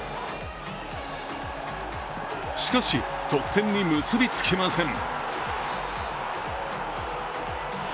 しかし、得点に結び付きません。